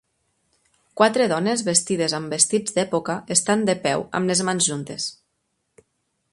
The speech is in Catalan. Quatre dones vestides amb vestits d'època estan de peu amb les mans juntes.